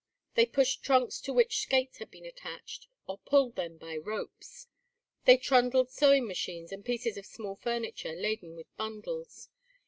They pushed trunks to which skates had been attached, or pulled them by ropes; they trundled sewing machines and pieces of small furniture, laden with bundles.